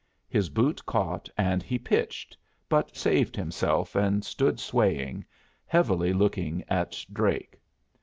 His boot caught, and he pitched, but saved himself and stood swaying, heavily looking at Drake.